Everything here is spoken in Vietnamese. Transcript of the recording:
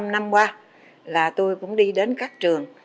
hai mươi năm năm qua là tôi cũng đi đến các trường